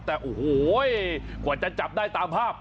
แต่โอ้โหกว่าจะจับได้ตามภาพ